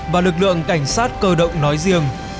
và lực lượng cảnh sát cơ động nói riêng